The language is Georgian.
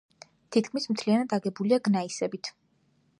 თითქმის მთლიანად აგებულია გნაისებით.